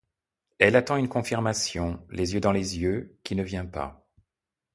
Elle attend une confirmation, les yeux dans les yeux, qui ne vient pas.